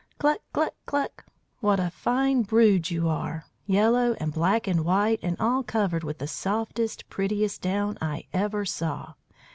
"Cluck! cluck! cluck! What a fine brood you are! Yellow and black and white, and all covered with the softest, prettiest down I ever saw.